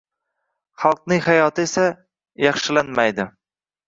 Xalqning hayoti esa... yaxshilanmaydi.